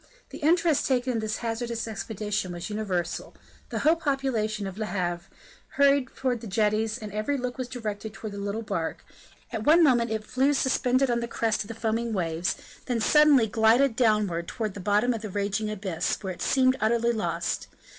The interest taken in this hazardous expedition was universal; the whole population of Le Havre hurried towards the jetties and every look was directed towards the little bark; at one moment it flew suspended on the crest of the foaming waves, then suddenly glided downwards towards the bottom of a raging abyss, where it seemed utterly lost.